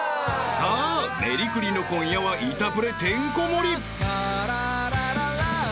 ［さあメリクリの今夜はイタプレてんこ盛り！］